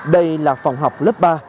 đây là phòng học lớp ba